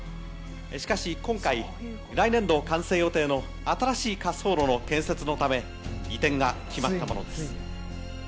しかし、今回、来年度完成予定の新しい滑走路の建設のため、移転が決まったものです。